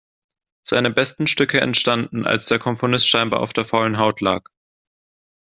Seine besten Stücke entstanden, als der Komponist scheinbar auf der faulen Haut lag.